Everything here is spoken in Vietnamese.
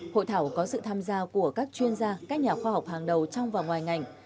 hội thảo có sự tham gia của các chuyên gia các nhà khoa học hàng đầu trong và ngoài ngành